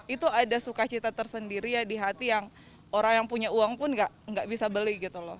itu ada sukacita tersendiri di hati yang orang yang punya uang pun tidak bisa beli